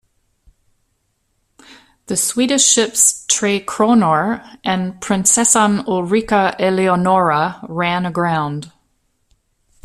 The Swedish ships "Tre Kronor" and "Prinsessan Ulrika Eleonora" ran aground.